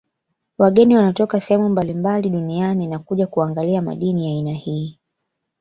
Wageni wanatoka sehemu mablimbali duniani na kuja kuangalia madini ya aina hii